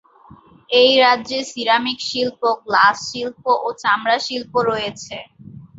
এই রাজ্যে সিরামিক শিল্প, গ্লাস শিল্প ও চামড়া শিল্প রয়েছে।